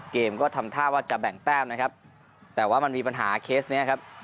เกมก็ทำท่าว่าจะแบ่งแต้มนะครับแต่ว่ามันมีปัญหาเคสเนี้ยครับ